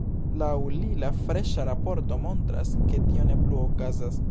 Laŭ li la freŝa raporto montras, ke tio ne plu okazas.